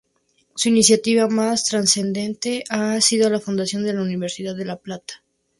Su iniciativa más trascendente ha sido la fundación de la Universidad de La Plata.